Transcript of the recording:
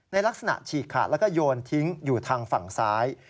ลักษณะฉีกขาดแล้วก็โยนทิ้งอยู่ทางฝั่งซ้าย